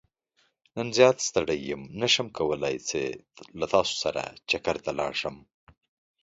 نن زيات ستړى يم نه شم کولاي چې له تاسو سره چکرته لاړ شم.